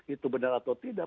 itu benar atau tidak